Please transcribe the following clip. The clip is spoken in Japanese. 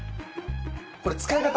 これ使い方